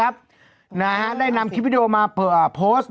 ครับนะฮะได้นำคลิปวีดีโอมาส่งโปสต์